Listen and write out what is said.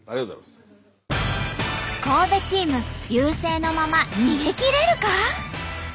神戸チーム優勢のまま逃げ切れるか？